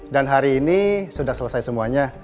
dan hari ini sudah selesai semuanya